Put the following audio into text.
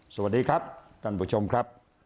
สวัสดีครับท่านผู้ชมครับ